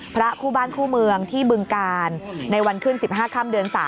พระคู่บ้านคู่เมืองที่บึงกาลในวันขึ้น๑๕ค่ำเดือน๓